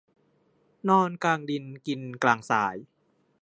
นอนกลางดินกินกลางทราย